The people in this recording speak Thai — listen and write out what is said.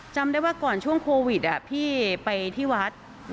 จำได้ว่าก่อนช่วงโควิดพี่ไปที่วัด